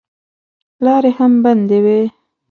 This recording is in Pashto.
لارې هم بندې وې.